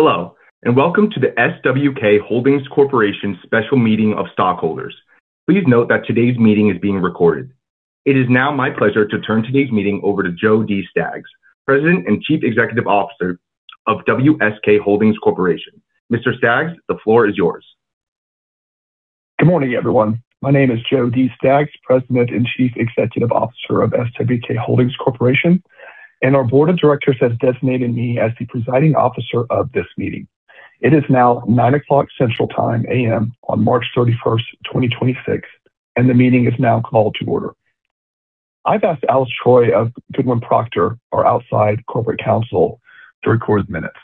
Hello, and welcome to the SWK Holdings Corporation Special Meeting of Stockholders. Please note that today's meeting is being recorded. It is now my pleasure to turn today's meeting over to Jody Staggs, President and Chief Executive Officer of SWK Holdings Corporation. Mr. Staggs, the floor is yours. Good morning, everyone. My name is Jody Staggs, President and Chief Executive Officer of SWK Holdings Corporation, and our board of directors has designated me as the presiding officer of this meeting. It is now 9:00 A.M. Central Time on March 31st, 2026, and the meeting is now called to order. I've asked Allison Troy of Goodwin Procter, our outside corporate counsel, to record the minutes.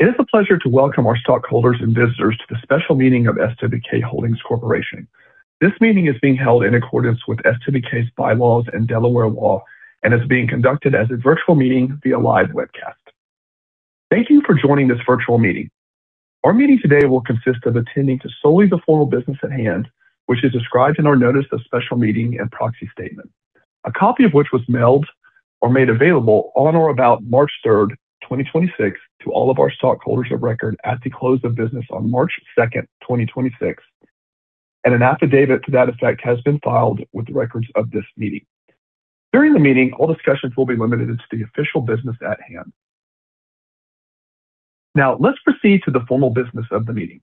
It is a pleasure to welcome our stockholders and visitors to the special meeting of SWK Holdings Corporation. This meeting is being held in accordance with SWK's bylaws and Delaware law and is being conducted as a virtual meeting via live webcast. Thank you for joining this virtual meeting. Our meeting today will consist of attending to solely the formal business at hand, which is described in our notice of special meeting and proxy statement. A copy of which was mailed or made available on or about March 3rd, 2026, to all of our stockholders of record at the close of business on March 2nd, 2026. An affidavit to that effect has been filed with the records of this meeting. During the meeting, all discussions will be limited to the official business at hand. Now, let's proceed to the formal business of the meeting.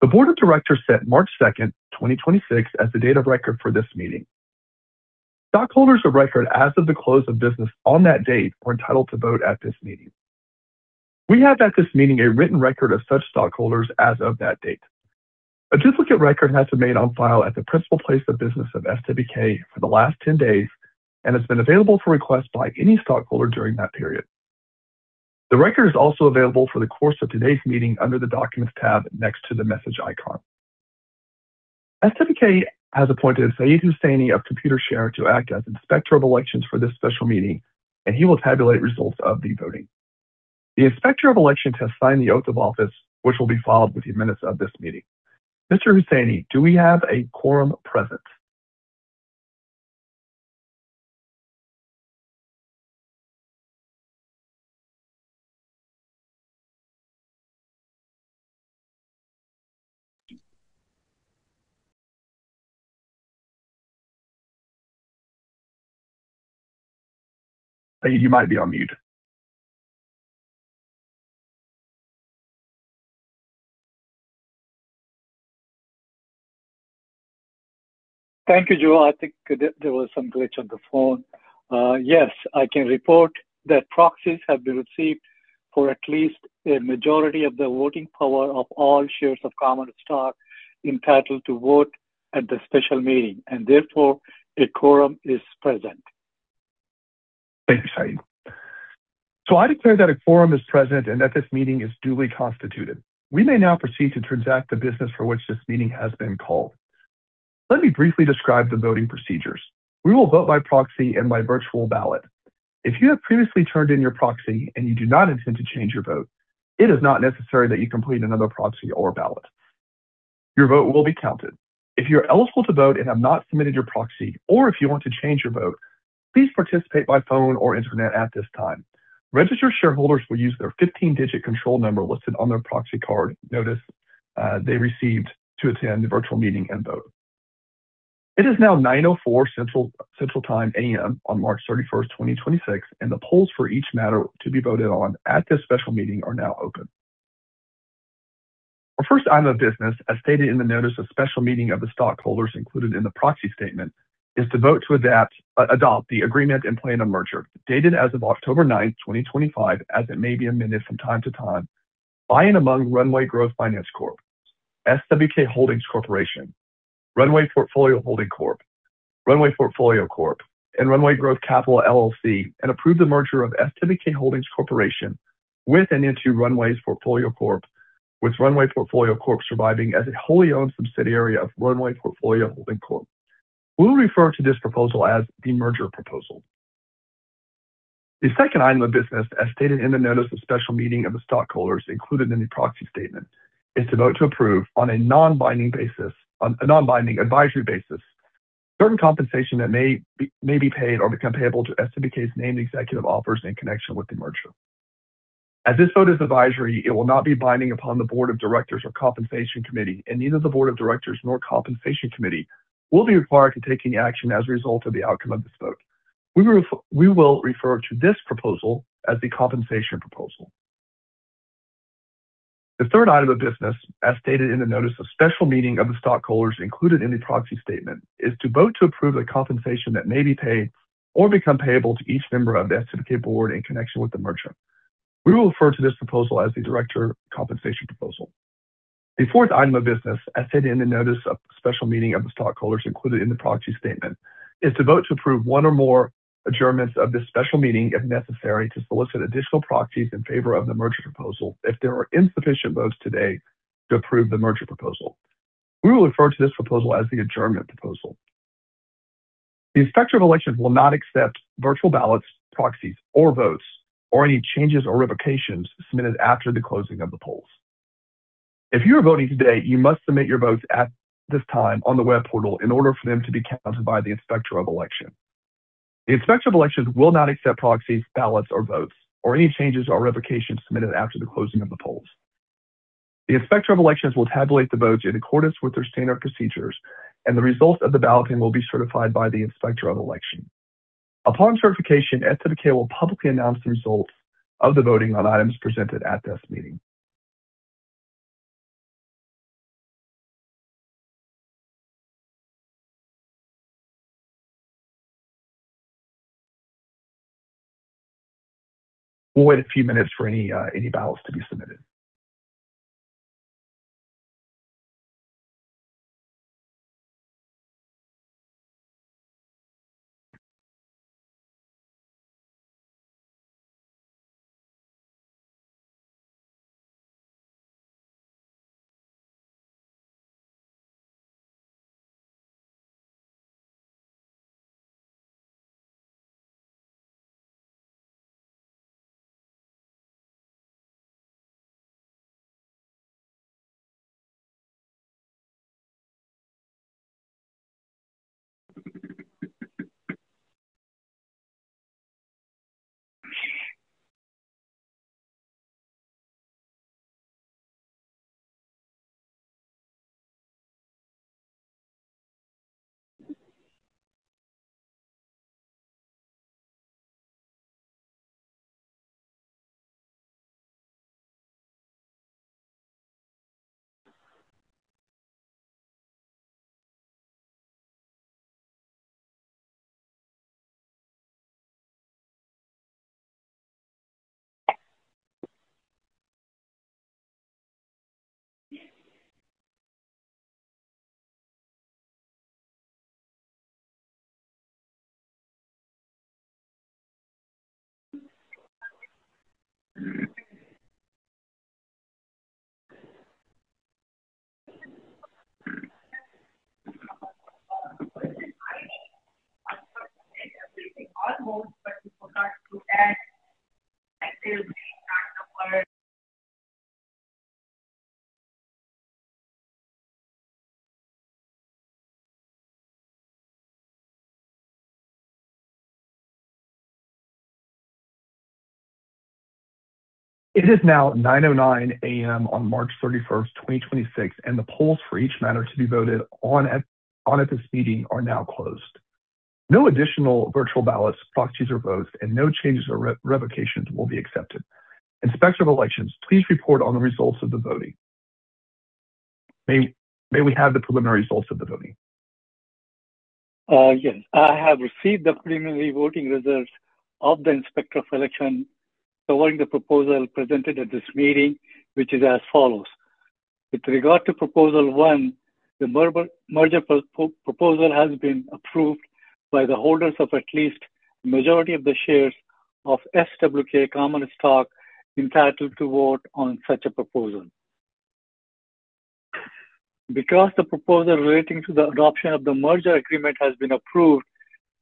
The Board of Directors set March 2nd, 2026, as the date of record for this meeting. Stockholders of record as of the close of business on that date were entitled to vote at this meeting. We have at this meeting a written record of such stockholders as of that date. A duplicate record has been made on file at the principal place of business of SWK for the last 10 days and has been available for request by any stockholder during that period. The record is also available during the course of today's meeting under the Documents tab next to the message icon. SWK has appointed Sayed Husseini of Computershare to act as Inspector of Elections for this special meeting, and he will tabulate results of the voting. The Inspector of Elections has signed the Oath of Office, which will be filed with the minutes of this meeting. Mr. Husseini, do we have a quorum present? Sayed, you might be on mute. Thank you, Joyd. I think there was some glitch on the phone. Yes, I can report that proxies have been received for at least a majority of the voting power of all shares of common stock entitled to vote at the special meeting. Therefore, a quorum is present. Thank you, Sayed. I declare that a quorum is present and that this meeting is duly constituted. We may now proceed to transact the business for which this meeting has been called. Let me briefly describe the voting procedures. We will vote by proxy and by virtual ballot. If you have previously turned in your proxy and you do not intend to change your vote, it is not necessary that you complete another proxy or ballot. Your vote will be counted. If you're eligible to vote and have not submitted your proxy, or if you want to change your vote, please participate by phone or Internet at this time. Registered shareholders will use their 15-digit control number listed on their proxy card notice they received to attend the virtual meeting and vote. It is now 9:04 A.M. Central Time on March 31st, 2026, and the polls for each matter to be voted on at this special meeting are now open. Our first item of business, as stated in the notice of special meeting of the stockholders included in the proxy statement, is to vote to adopt the agreement and plan of merger, dated as of October 9, 2025, as it may be amended from time to time, by and among Runway Growth Finance Corp., SWK Holdings Corporation, Runway Portfolio Holding Corp., Runway Portfolio Corp., and Runway Growth Capital LLC, and approve the merger of SWK Holdings Corporation with and into Runway Portfolio Corp., with Runway Portfolio Corp. surviving as a wholly owned subsidiary of Runway Portfolio Holding Corp. We will refer to this proposal as the merger proposal. The second item of business, as stated in the notice of special meeting of the stockholders included in the proxy statement, is to vote to approve, on a non-binding advisory basis, certain compensation that may be paid or become payable to SWK's named executive officers in connection with the merger. As this vote is advisory, it will not be binding upon the board of directors or Compensation Committee, and neither the board of directors nor Compensation Committee will be required to take any action as a result of the outcome of this vote. We will refer to this proposal as the compensation proposal. The third item of business, as stated in the notice of special meeting of the stockholders included in the proxy statement, is to vote to approve the compensation that may be paid or become payable to each member of the SWK Board in connection with the merger. We will refer to this proposal as the director compensation proposal. The fourth item of business, as stated in the notice of special meeting of the stockholders included in the proxy statement, is to vote to approve one or more adjournments of this special meeting, if necessary, to solicit additional proxies in favor of the merger proposal if there are insufficient votes today to approve the merger proposal. We will refer to this proposal as the adjournment proposal. The Inspector of Elections will not accept virtual ballots, proxies, or votes, or any changes or revocations submitted after the closing of the polls. If you are voting today, you must submit your votes at this time on the web portal in order for them to be counted by the Inspector of Elections. The Inspector of Elections will not accept proxies, ballots or votes or any changes or revocations submitted after the closing of the polls. The Inspector of Elections will tabulate the votes in accordance with their standard procedures, and the results of the balloting will be certified by the Inspector of Elections. Upon certification, SWK will publicly announce the results of the voting on items presented at this meeting. We'll wait a few minutes for any ballots to be submitted. It is now 9:09 A.M. on March 31st, 2026, and the polls for each matter to be voted on at this meeting are now closed. No additional virtual ballots, proxies or votes, and no changes or revocations will be accepted. Inspector of Elections, please report on the results of the voting. May we have the preliminary results of the voting? Yes. I have received the preliminary voting results of the Inspector of Elections regarding the proposal presented at this meeting, which is as follows. With regard to proposal one, the merger proposal has been approved by the holders of at least majority of the shares of SWK common stock entitled to vote on such a proposal. Because the proposal relating to the adoption of the merger agreement has been approved,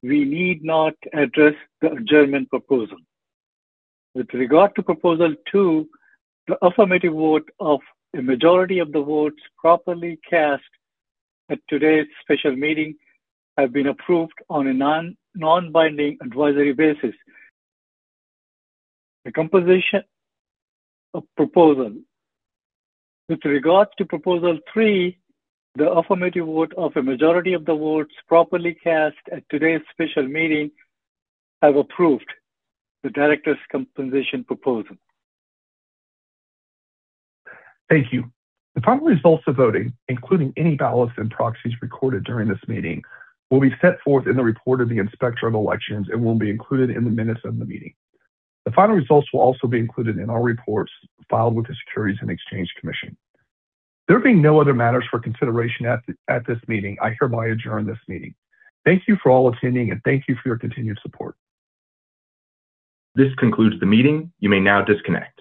we need not address the adjournment proposal. With regard to proposal two, the affirmative vote of a majority of the votes properly cast at today's special meeting have approved the compensation proposal on a non-binding advisory basis. With regard to proposal three, the affirmative vote of a majority of the votes properly cast at today's special meeting have approved the director's compensation proposal. Thank you. The final results of voting, including any ballots and proxies recorded during this meeting, will be set forth in the report of the Inspector of Elections and will be included in the minutes of the meeting. The final results will also be included in our reports filed with the Securities and Exchange Commission. There being no other matters for consideration at this meeting, I hereby adjourn this meeting. Thank you for all attending and thank you for your continued support. This concludes the meeting. You may now disconnect.